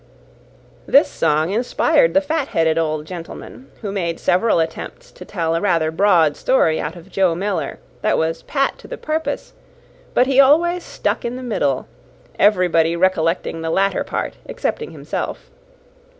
This song inspired the fat headed old gentleman, who made several attempts to tell a rather broad story out of Joe Miller, that was pat to the purpose; but he always stuck in the middle, everybody recollecting the latter part excepting himself.